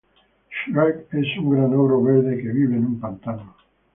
Shrek es un gran ogro verde que vive en un pantano.